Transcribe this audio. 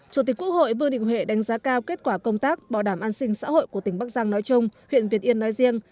chủ tịch quốc hội vương đình huệ đánh giá cao kết quả công tác bảo đảm an sinh xã hội của tỉnh bắc giang nói chung huyện việt yên nói riêng